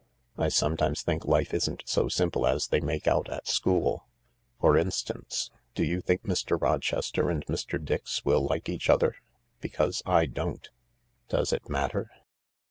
I sometimes think life isn't so simple as they make out at school. For instance, do you think Mr. Rochester and Mr. Dix will like each other ? Because I don't." " Does it matter